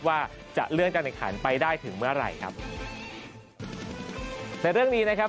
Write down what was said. ว่าจะเลื่อนการแข่งขันไปได้ถึงเมื่อไหร่ครับในเรื่องนี้นะครับ